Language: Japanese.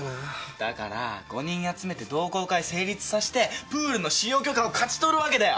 だから五人集めて同好会成立させてプールの使用許可を勝ち取るわけだよ。